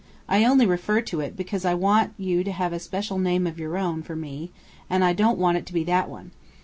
I only refer to it because I want you to have a special name of your own for me, and I don't want it to be that one.